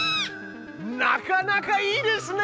なかなかいいですね！